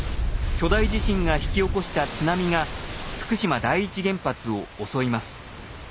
巨大地震が引き起こした津波が福島第一原発を襲います。